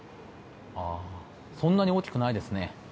そんなに大きくないですね。